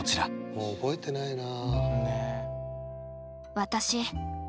もう覚えてないな。